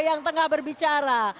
yang tengah berbicara